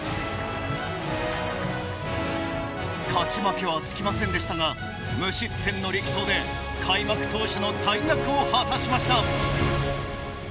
勝ち負けはつきませんでしたが無失点の力投で開幕投手の大役を果たしました。